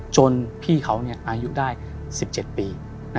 จนพี่เขาอายุได้๑๗ปี